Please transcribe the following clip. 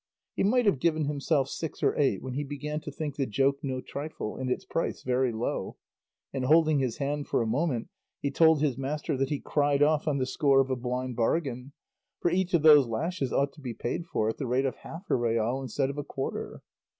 He might have given himself six or eight when he began to think the joke no trifle, and its price very low; and holding his hand for a moment, he told his master that he cried off on the score of a blind bargain, for each of those lashes ought to be paid for at the rate of half a real instead of a quarter.